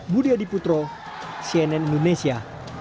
budi adiputro cnn indonesia